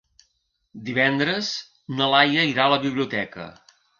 Divendres na Laia irà a la biblioteca.